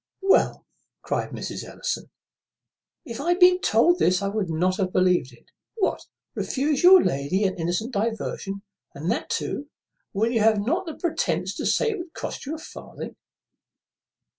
"Well," cries Mrs. Ellison, "if I had been told this, I would not have believed it. What, refuse your lady an innocent diversion, and that too when you have not the pretence to say it would cost you a farthing?"